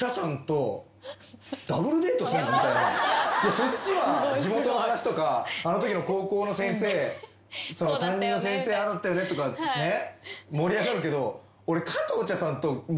そっちは地元の話とか「あのときの高校の先生担任の先生ああだったよね」とか盛り上がるけど俺。